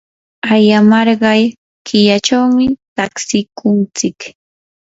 ayamarqay killachawmi tatsikuntsik.